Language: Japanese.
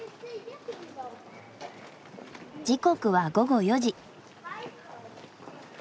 時刻は午後４時。